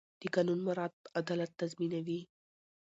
د قانون مراعت عدالت تضمینوي